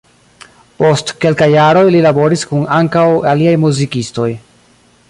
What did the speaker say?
Post kelkaj jaroj li laboris kun ankaŭ aliaj muzikistoj.